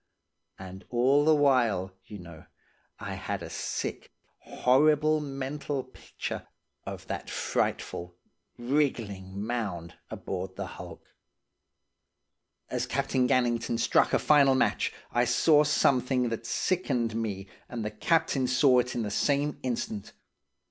And all the while, you know, I had a sick, horrible mental picture of that frightful, wriggling mound aboard the hulk. "As Captain Gannington struck a final match, I saw something that sickened me and the captain saw it in the same instant.